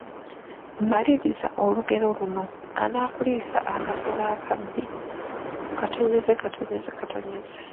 Maliriza olugero luno: Anaakuliisa akasolo akabi, …..